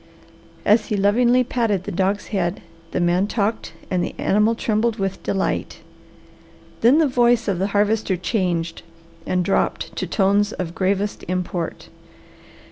As he lovingly patted the dog's head the man talked and the animal trembled with delight. Then the voice of the Harvester changed and dropped to tones of gravest import.